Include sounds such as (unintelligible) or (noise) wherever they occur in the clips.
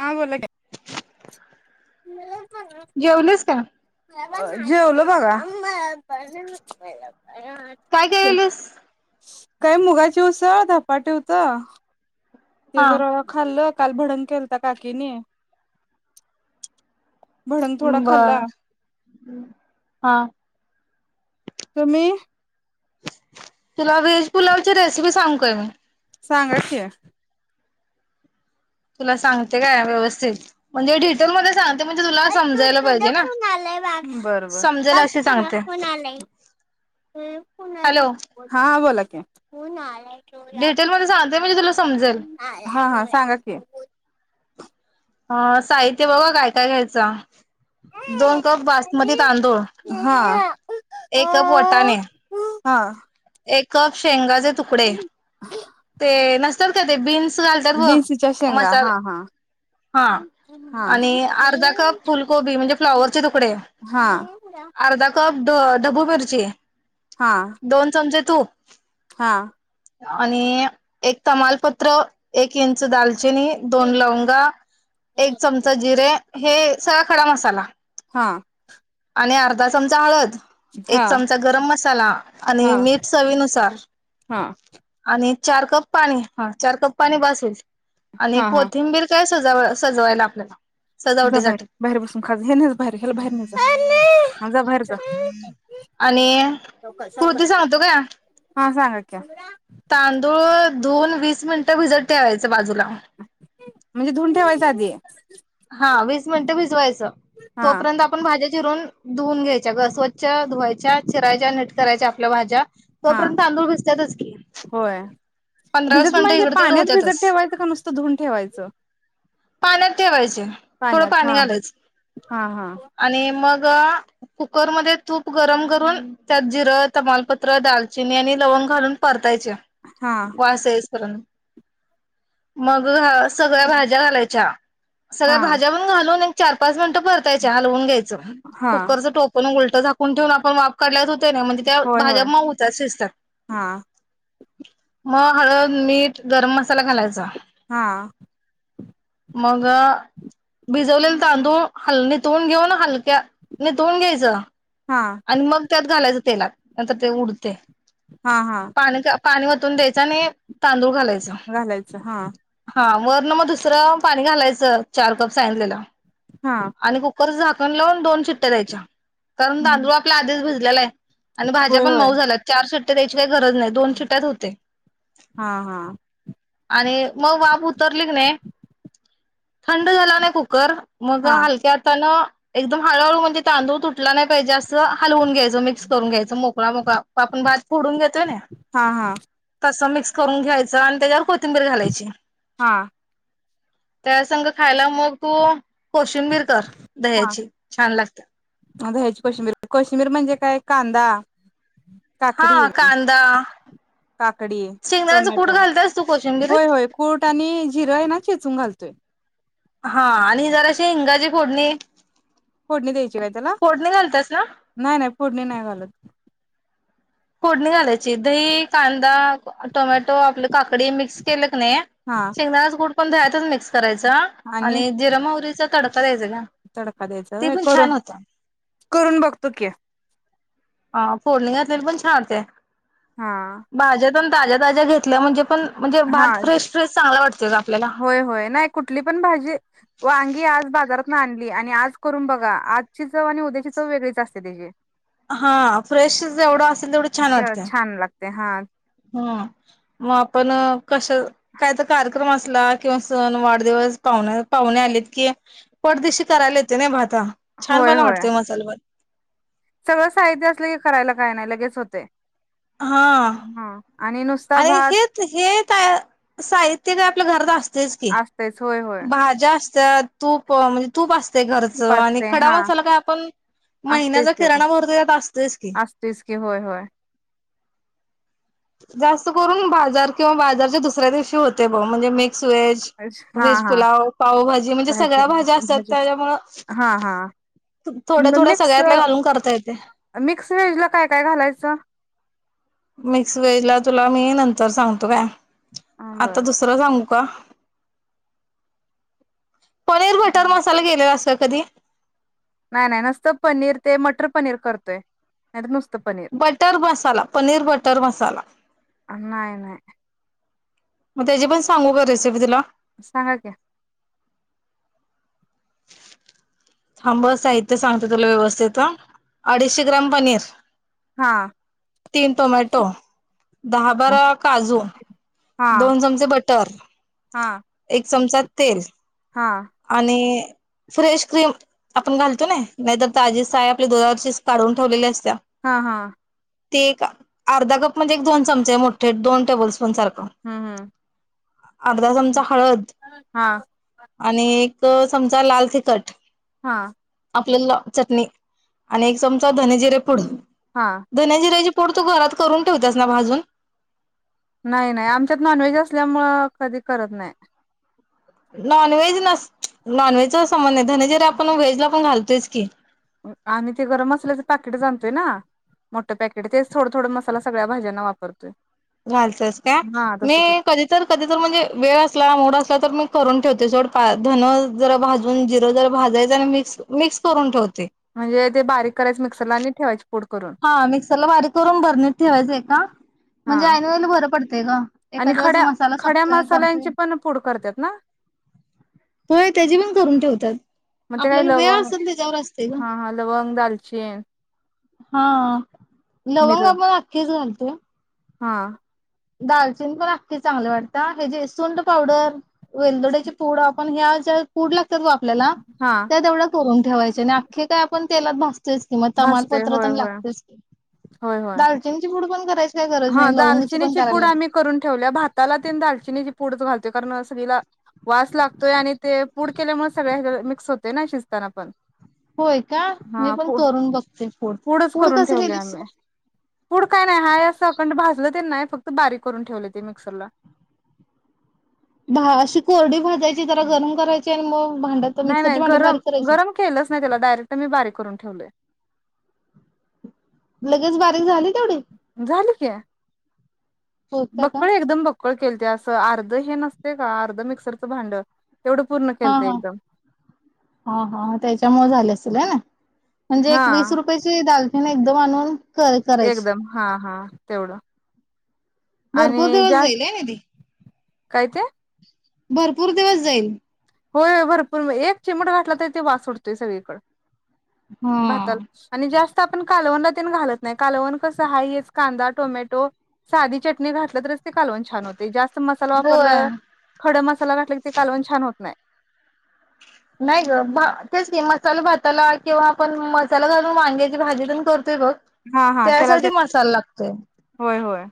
हां बोलाकी जेवलीस का? जेवलो बघा (inaudible) काय केलेलीस? काय मुगाची उसळ धपाट हुत ते हा जरा खाल्लं काल भडंग केलता काकीने भडंग थोडा वा खाल्ला हा तुम्ही तुला वेज पुलावची रेसिपी सांगू काय मी सांगा की तुला सांगते काय व्यवस्थित म्हणजे डिटेल मध्ये सांग समजेल अशी सांगते. हॅलो हा बोला की (unintelligible) डिटेल मध्ये सां (unintelligible) हा, हा सांगा की ह साहित्य बघा काय काय घ्यायचं दोन कप बासमती तांदूळ हा एक कप वटाणे हां एक कप शेंगाचे तुकडे ते न काय ते बीन्स घालतात बघ बीन्सीच्या शेंगा हा हा मसाला हा आणि अर्धा कप फुलकोबी म्हणजे फ्लावर चे तुकडे हा अर्धा कप डबू मिरची हा दोन चमचे तूप हा आणि एक तमालपत्र एक इंच दाल चिनी दोन लवंगा एक चमचा जिरे हे सगळा खडा मसाला हा आणि अर्धा चमचा हळद एक चमचा गरम मसाला हा आणि मीठ चवीनुसार हा आणि चार कप पाणी हा चार कप पाणी बास होईल आणि हा हा कोथिंबीर काय सज सजवायला आपल्याला जा सजावटीसाठी बाहेर बसून खाजा ह्याला नाही बाहेर बाहेर ने जा ह्याला जा बाहेर जा आणि कृती सांगतो का हा सांगा की तांदूळ धुवून वीस मिनिटं भिजत ठेवायचं बाजूला म्हणजे धुवून ठेवायच आधी हा वीस मिनटे भिजवायचं हा तोपर्यंत आपण भाज्या चिरून धुवून घ्यायच्या ग स्वच्छ धुवायच्या चिरायच्या नीट करायच्या आपल्या भाज्या हा तोपर्यंत तांदूळ भिजतातच की होय पंधरा भिजत वीस मिनिटं म्हणजे इकडं तिकडं पाण्यात होत्यातच. भिजत ठेवायचं का नुसत धुवून ठेवायचं? पाण्यात ठेवायचे. थोडं पाण्यात पाणी हा घालायच हा हा आणि मग च कुकरमध्ये तूप गरम करून त्यात जिरं तमालपत्र दालचिनी आणि लवंग घालून परतायची. हा व्हय असेच पर्यंत, मग सगळ्या भाज्या घालायच्या. सगळ्या हा भाज्या पण घालून चार पाच मिनटं परतायच हलवून घ्यायचं हा कुकरचं टोपण उलट झाकून ठेवून आपण वाफ काढल्यागत होत होत ना म्हणजे त्या होय भाज्या होय मऊ होत्यात शिजतात. हा (inaudible) मग हळद, मीठ, गरम मसाला घालायचा. हा मग भिजवलेले तांदूळ हल नितवून घेऊन हलक्या नितवून घ्यायचं. हा आणि मग त्यात घालायचं. तेलात नाही तर ते उडते. हा हा पाणीच पाणी वतून द्यायच आणि तांदूळ घालायच. घालायचं हा हा वर मग दुसरं पाणी घालायचं चार कप सांगितलेल. हा आणि कुकरच झाक- -न लावून दोन शिट्ट्या द्यायच्या. कारण तांदूळ आपल्या आधीच भिज- ले (inaudible) आणि भाज्या होय पण होय मऊ झाल्यात चार शी (inaudible) गरज नाही दोन हा शीट्यात होतय. हा हा आणि मग वाफ उतरली कणी थंड झाला ना, कुकर मग हा हलक्या हातान एकदम हळूहळू म्हणजे तांदूळ तुटला नई पाहिजे, असं हलवून घ्यायच. मिक्स करून घ्याच मो (inaudible) फोडून घेतोय नी, हा तस मिक्स करून घ्यायचं आणि त्याच्यावर को थिंबीर घालायची. हा त्या संघ खायला मग तू.. कोशिंबीर कर हा दह्याची छान लागते. आता ह्याची कोशिंबीर कोशिंबीर म्हणजे काय कांदा.. काकडी हा कांदा काकडी शेंगदाण्याचं कूट टोमॅटो घालतास तू कोशिंबिरीत? होय होय कुट आणि जीरं आहे ना.. चेचून घालतोय... हा आणि जरा असे हिंगाजी फोडणे... फोडणी दे फोडणी घालतस ना. फोडणी नाही घालत. फोडणी घालायची दही कांदा टोमॅटो आपल्या... काकडी मिक्स केलं कणी हा शेंगदानाचे कुट.... पण दह्यातच मिक्स करायचा आणि जिर मावरीच... तडका द्यायचा गं. तडका द्यायचा ते होय पण छान करून.. होतं. करून बघतो कि.. हा फोडणी घातलेली पण छान होते. हा... भाज्या पण ताज्या ताज्या घेतल्या म्हणजे पण... म्हणजे हा भात फ्रेश फ्रेश चांगला वाटतोय गं आपल्याला. होय होय नाही कुठली पण भाजी वांगी आज बाजारत. आणली आणि आज करून बघा आजची चव आणि उद्याची चव वेगळीच असते त्याची... हा फ्रेश जेवढं असेल तेवढं छान वाटते. ते हा ह मग आपण कस, काय तर कार्यक्रम असला, किंवा सण, वाढदिवस, पाहुण्या पाहुणे आलेत की पटदिशी करायला येते... होय छानपणा होय वाटतो मसाले भात.... सगळं साहित्य असलं की करायला काय नाही, लगेच होतय. हा हा आणि नुसता आणि भात हेच हे साहित्य.... आप घर असत. तेच कीं असतेच होय होय. भाज्या.. तूप म्हणजे तूप.... घरच तूप आणि असतय खडा हा मसाला काय आपण असतयच महिन्याचा त्यो किराणा भरतो त्यात असतोयस की... असतेच की होय होय जास्त करून बाजार किंवा बाजारच्या दुसऱ्या दिवशी होत... म्हणजे मिक्स व्हेज, हा व्हेज हा पुलाव पावभाजी म्हणजे सगळ्या भाजी भाज्या असतात. भाजी त्याच्यामुळे हा हा थोड्या थोड्या मिक्स सगळ्यातल्या घालून करता येते. मिक्स व्हेज ला काय काय घालायचं मिक्स व्हेज ला तुला मी नंतर सांगते काय? आता बर दुसरं सांगू का? पनीर बटर मसाला केलेला असतो. कधी----? नाही नाही नुसतं पनीर ते मटर पनीर करतोय नाही नुसत बटर मसाला, पनीर बटर मसाला नाही नाही मग त्याची पण सांगू का रेसिपी तुला? सांगा कीं. थांब हा साहित्य सांगते तुला व्यवस्थित अडीचशे ग्राम पनीर, हा तीन टोमॅटो, दहा बारा काजू हा दोन चमचे बटर, हा एक चमचा तेल हा आणि फ्रेश क्रीम आपण घालतो ना नाहीतर ताजी साय आपली दुधा वरची काढून ठेवलेली असते हा- हा ते एक अर्धा कप म्हणजे एक दोन चमचे आहे मोठे दोन टेबल स्पून सारखा हम्म- चमचा हळद हम्म हा आणि एक चमचा लाल तिखट हा आपलं चटणी आणि एक चमचा धने जिरे फोडून हा धनंजीर जी पुण तू घरात करून ठेवतेस ना भाजून नाही- नाही आमच्यात नॉनव्हेज असल्यामुंळे कधी करत नाही नॉन व्हेज न नॉनव्हेज च पण, नाही धनजरी आपण व्हेज ला पण घालतोयच की आणि ते गरम मसाल्याचं पाकेट आणतोय ना, मोठं पॅकेट तेच थोडं- थोडं मसाला सगळ्या भाज्यांना वापरतोय घालतंस काय हा मी तसं कधी तर कधी तर म्हणजे वेळ अस ला मूड असला तर मी करून ठेवते सोड पा धनं जरा भाजून जिरं जरा भाजायचं आणि मिक्स मिक्स करून ठेवते म्हणजे ते बारीक करायचं मिक्सरला आणि ठेवायचे हा मिक्सरला बारीक करून भरणीत ठेवायच का हा म्हणजे आईन वेळेला बरं पडतय ग आणि एखाद्या वेळेस खड्या मसाला खड्या संपतोय करतोय मसाल्यांची पण पूड करतात ना होय त्याची पण करून ठेवतात मग ते काय आपल्याला वेळ लवंग असेल त्याच्यावर असते ग हा हा लवंग दालचीन हा मिर लवंग आपण आखीच घालतो ह हा दालचीन पण आख्खी चांगले वाटत हे जे सूठं पावडर वेलदोड्याचे पूड आपण ह्या ज्या पूड लाग लागतात बगा आपल्याला हा त्या तेवढं करून ठेवायचे आणि आख्खे काय आपण तेलात भाजतो तोयच की मग भाजते तमालपत्र होय पण होय लागतेच की होय होय. पुड पण करायचं. काय गरज हा नाही लवगं. दालचिनीची पूड आम्ही करून ठेवल्या भाताला तेन दालचीन. दालचीनीची पूडच घालतोय कारण सगळीला वास लागतोय आणि ते पूड केल्यामुळे सगळ्या मिक्स होतय ना शिजताना पण. होय का मी हा पण पू करून बघते पुड पूडच पुड करून कस ठेवले केलीस आम्ही मग. पूड काय नाही हाय असं अखंड भाजल. तेन नाही फक्त बारीक करून ठेवले ते मिक्सरला. दहाशी कोरडी भात. भाजायची जरा गरम करायची आणि मग. भांड्यात नाही नाही मिक्सरच्या भांड्यात बारीक करायची. गरम-गरम केलंच नाही त्याला डायरेक्ट मी बारीक करून ठेवलं. (inaudible) लगेच बारीक झाली तेवढी झालं कि. होता का बकंळ एकदम बक. कळ केल ते असं अर्ध हे नसते का अर्ध मिक्सरचं भांड. तेवढं पूर्ण हा केलत ह एकदम हा हा त्याच्यामुळे झाले. असतील हायना. म्हणजे हा एक वीस रुपयची दालचिनी. नाही ना एकदम आणून. कर करायची. एकदम हा हा तेवढं भरपूर आणि दिवस जास्त जाईल हे ना ती काय ते. भरपूर दिवस जाईल. होय होय भरपूर एक चिमट घातला तरी ते वास सूटतोय सगळीकड. भाताला हा. आणि जास्त. आपण कालवण तेन घालत नाही. कालवण कस आहे हेच कांदा टोमॅटो साधी चटणी घातलं तर. कालवण छान होतयं. जास्त मसाला होय. वापरलं खड मसाला. कालवण छान होत नाही. नाही ग तेच की मसाला भाताला किंवा आपण मसाला घाल. वांग्याची भाजी पण करतोय बघ हा हा त्याला त्यासाठी मसाला लागतोय. होय होय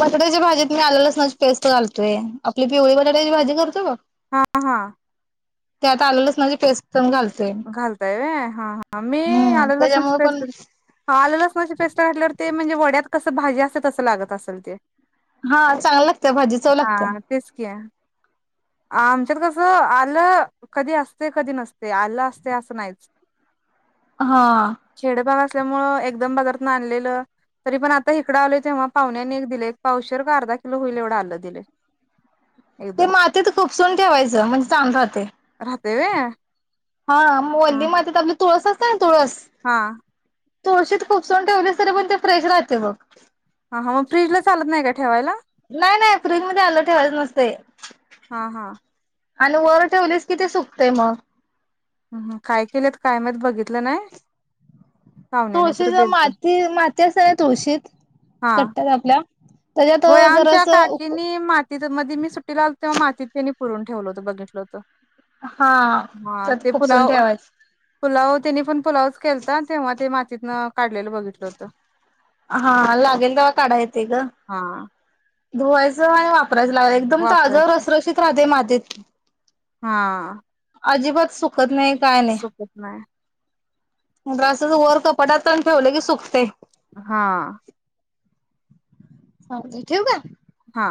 बटाट्याच्या भाजीत मी आल्या लसणाची पेस्ट घालतोय. आपली पिवळी बटाट्याची भाजी करतो बघ. हा हा. ते आता आल्लं लसणाची पेस्ट. पण घालतोय घालताय व्हयं हा हा मी हम्म आलं लसणाची त्याच्यामुळे पण पेस्ट हा आलं लसणाची पेस्ट घातल्यावर. ते म्हणजे वड्यात कसं भाजी असते तसं लागत असेल ते. हा चांगल लागत्या भाजी, चव लागत्या. हा तेच की आमच्यात कसं आल्लं कधी असतंय. कधी नसतंय. आल्लं अस तंय असं नाहीच. हा. त्यामुळे एकदम बाजारातून आणलेलं, तरीपण आता इकडं आलोय तेव्हा पाहुण्यांनी एक दिलंय. पावशेर का अर्धा किलो हुईल, एवढं आल्लं दिलंय. ते मातीत खुपसून ठेवायचं, म्हणजे चांगलं राहतंय. ते व्हय. हा हा मोलीमधे त्यातली तुळस अस त्याना तुळस हा. तुळशीत खुपसून ठेवलीस, तरीपण ते फ्रेश राहतंय बघ. हा हा, मग फ्रीजला चालत नाही का ठेवायला? नाही नाही, फ्रीजमध्ये आलं ठेवायचं नसतंय. हा हा. आणि वर ठेवलीस की ते सुकतंय मग. हम्म, काय केलेत काय माहित बघितलं नाही. पाहुण्याने तर तुळशीचं दिलत. माती माती असत्या ना तुळशीत, हा कट्टयात आपल्या त्याच्यात जरासं तिथं मधी मी सुट्टीला आलतो, तेव्हा मातीत त्यांनी पुरून ठेवलं होतं बघितलं होतं. हा हा त्यात ते खुपसून पुलाव, ठेवायच पुलाव तेनीपण पुलावच केलता, तेव्हा ते मात तितनं हा लागेल तेव्हा काढायं येतंय गं. हा. धुवायचं हाय वा परायचं लागली, एकदम ताज वापरायचं रसरशीत राहतंय मातीत. (inaudible) हा. अजिबात सु खत नाय, काय नाय. सुकत नाही आसच वर कपटात तेन ठेवलं की सुकतंय. हा. चालतंय ठेवू काय? हा.